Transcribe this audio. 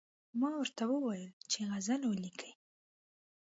ما ورته ویلي ول چې غزل ولیکئ.